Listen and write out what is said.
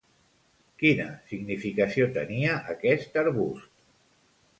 Quina significació tenia aquest arbust?